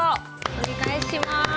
お願いします。